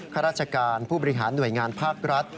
ข้าราชการผู้บริหารหน่วยงานภาครัฐ